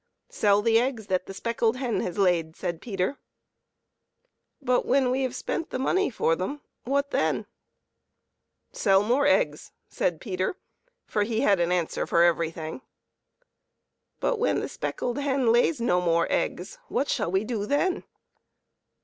" Sell the eggs that the speckled hen has laid," said Peter. " But when we have spent the money for them, what then ?"" Sell more eggs," said Peter, for he had an answer for everything. " But when the speckled hen lays no more eggs, what shall we do then